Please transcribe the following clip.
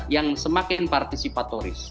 yang semakin partisipatoris